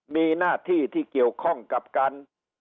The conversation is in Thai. มีหน้าที่ที่เกี่ยวข้องกับการ